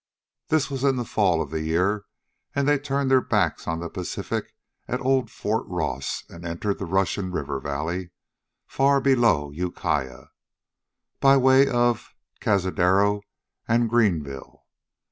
This was in the fall of the year, and they turned their backs on the Pacific at old Fort Ross and entered the Russian River Valley, far below Ukiah, by way of Cazadero and Guerneville.